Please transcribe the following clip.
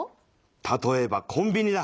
例えばコンビニだ。